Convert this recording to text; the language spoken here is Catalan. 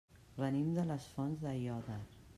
Venim de les Fonts d'Aiòder.